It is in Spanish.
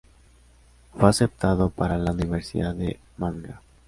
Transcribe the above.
Fue aceptado para la universidad de Manga.